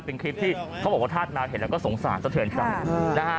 เป็นคลิปที่เขาบอกว่าธาตุนาวเห็นแล้วก็สงสารสะเทินใจนะฮะ